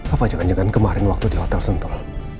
apa jangan jangan kemarin waktu di hotel sentul